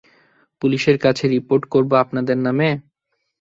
পুলিশের কাছে রিপোর্ট করবো আপনাদের নামে!